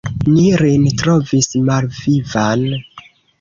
Ni lin trovis malvivan.